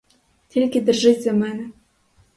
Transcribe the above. Тільки держись за мене!